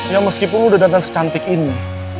ya meskipun lo udah datang secantik ini